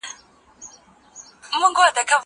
زه ځواب ليکلی دی!